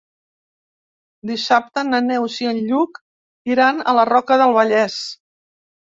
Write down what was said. Dissabte na Neus i en Lluc iran a la Roca del Vallès.